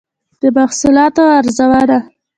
د محصولاتو ارزونه